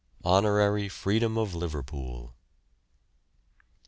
HONORARY FREEDOM OF LIVERPOOL.